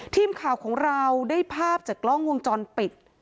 ทีมข่าวของเราได้ภาพจากกล้องวงจรปิด